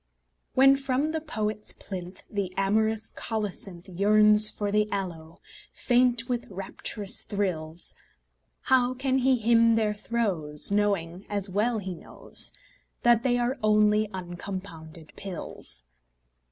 When from the poet's plinth The amorous colocynth Yearns for the aloe, faint with rapturous thrills, How can he hymn their throes Knowing, as well he knows, That they are only uncompounded pills?